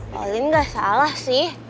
paling gak salah sih